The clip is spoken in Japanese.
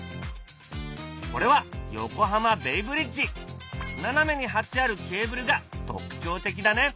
これは斜めに張ってあるケーブルが特徴的だね。